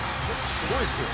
「すごいですよね」